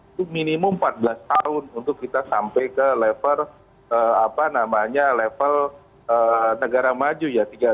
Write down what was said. itu minimum empat belas tahun untuk kita sampai ke level negara maju ya